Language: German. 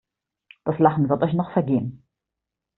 Das Lachen wird euch noch vergehen.